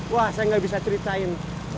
wah saya nggak bisa ceritain